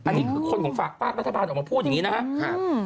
อันนี้คือคนของฝากฝากรัฐบาลออกมาพูดอย่างนี้นะครับ